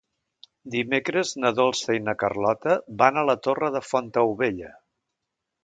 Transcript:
Dimecres na Dolça i na Carlota van a la Torre de Fontaubella.